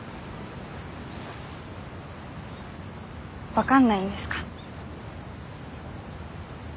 分かんないんですか？